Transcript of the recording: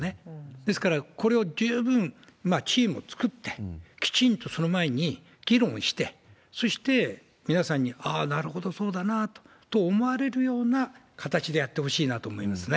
ですから、これを十分チームを作って、きちんとその前に議論して、そして皆さんに、ああ、なるほど、そうだなと思われるような形でやってほしいなと思いますね。